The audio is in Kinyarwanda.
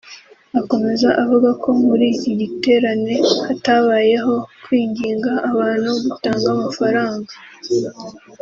Akomeza avuga ko muri iki giterane hatabayeho kwinginga abantu gutanga amafaranga